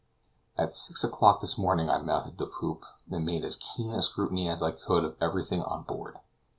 At six o'clock this morning I mounted the poop and made as keen a scrutiny as I could of everything on board.